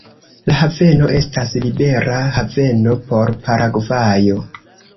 La haveno estas libera haveno por Paragvajo.